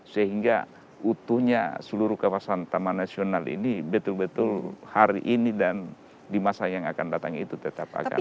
sehingga utuhnya seluruh kawasan taman nasional ini betul betul hari ini dan di masa yang akan datang itu tetap akan